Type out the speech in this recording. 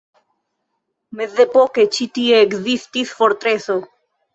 Mezepoke ĉi tie ekzistis fortreso.